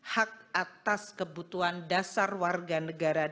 hak atas kebutuhan dasar warga negara